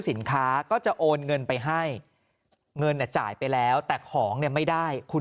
สินค้าก็จะโอนเงินไปให้เงินจ่ายไปแล้วแต่ของเนี่ยไม่ได้คุณ